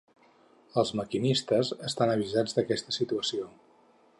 Els maquinistes estan avisats d’aquesta situació.